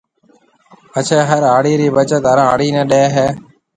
پڇيَ هر هاڙِي رِي بچت هر هاڙِي نَي ڏي هيَ۔